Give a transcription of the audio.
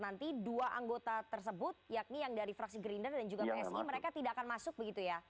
nanti dua anggota tersebut yakni yang dari fraksi gerindra dan juga psi mereka tidak akan masuk begitu ya